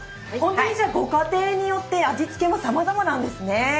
ご家庭によって味付けはさまざまなんですね。